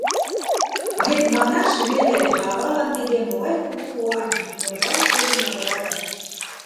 Вет, манаш веле, авалан тиде могай кугу куан, могай кугу награда!